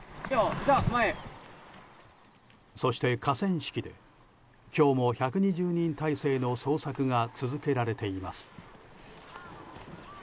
そして、河川敷で今日も１２０人態勢の捜索が続けられています。